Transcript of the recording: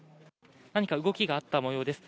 何か動きがあったもようです。